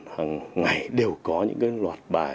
hàng ngày đều có những loạt bài